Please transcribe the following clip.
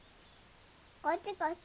こっちこっち！